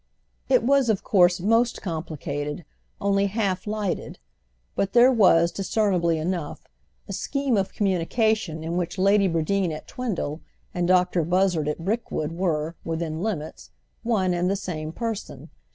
It was of course most complicated, only half lighted; but there was, discernibly enough, a scheme of communication in which Lady Bradeen at Twindle and Dr. Buzzard at Brickwood were, within limits, one and the same person.